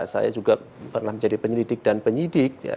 saya juga pernah menjadi penyelidik dan penyidik